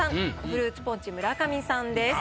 フルーツポンチ村上さんです。